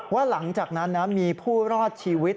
ว่าหลังจากนั้นนะมีผู้รอดชีวิต